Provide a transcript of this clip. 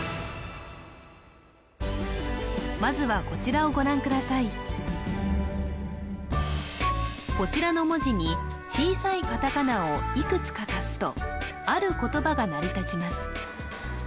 まずはこちらの文字に小さいカタカナをいくつか足すとある言葉が成り立ちます